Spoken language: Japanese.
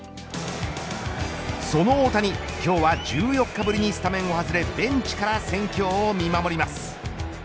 その大谷、今日は１４日ぶりにスタメンを外れベンチから戦況を見守ります。